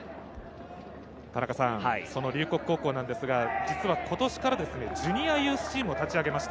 龍谷高校は今年からジュニアユースチームを立ち上げました。